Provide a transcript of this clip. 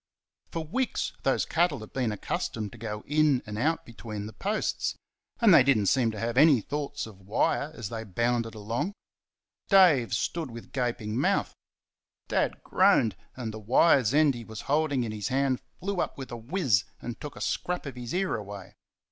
For weeks those cattle had been accustomed to go in and out between the posts; and they did n't seem to have any thoughts of wire as they bounded along. Dave stood with gaping mouth. Dad groaned, and the wire's end he was holding in his hand flew up with a whiz and took a scrap of his ear away.